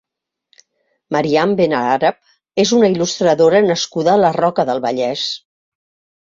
Màriam Ben-Arab és una il·lustradora nascuda a la Roca del Vallès.